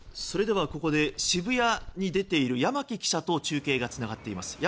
それではここで渋谷に出ている山木記者と中継がつながっています。